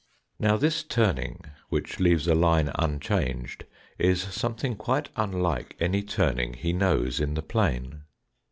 Now this turning which leaves a line unchanged is something quite unlike any turning he knows in the plane.